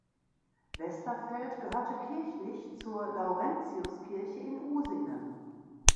Westerfeld gehörte kirchlich zur Laurentiuskirche in Usingen.